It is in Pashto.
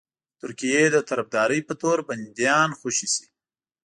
د ترکیې د طرفدارۍ په تور بنديان خوشي شي.